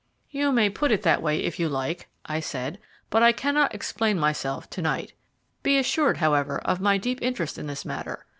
"You may put it that way if you like," I said, "but I cannot explain myself to night. Be assured, however, of my deep interest in this matter.